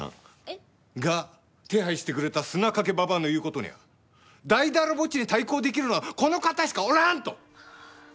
えっ？が手配してくれた砂かけ婆の言う事にゃだいだらぼっちに対抗できるのはこの方しかおらん！と。